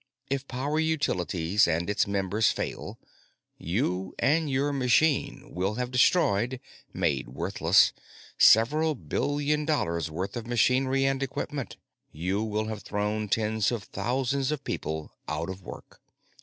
If Power Utilities and its members fail, you and your machine will have destroyed made worthless several billion dollars worth of machinery and equipment. You will have thrown tens of thousands of people out of work.